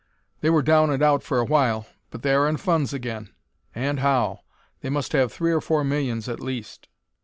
"They were down and out for a while, but they are in funds again and how! They must have three or four millions at least."